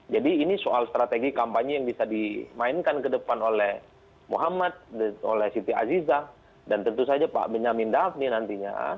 jadi ini soal strategi kampanye yang bisa dimainkan ke depan oleh muhammad oleh siti aziza dan tentu saja pak benjamin dhafni nantinya